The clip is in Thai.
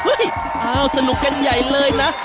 เอ้าสนุกกันใหญ่เลยนะ